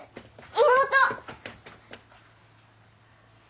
妹！